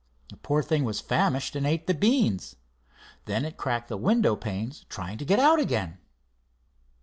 The poor thing was famished and ate the beans. Then it cracked the window panes trying to get out again."